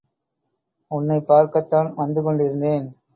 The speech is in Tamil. உன்னைப் பார்க்கத்தான் வந்து கொண்டிருந்தேன்.